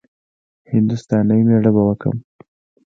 هـنـدوستانی ميړه به وکړم.